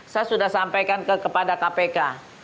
saya sudah sampaikan kepada kpk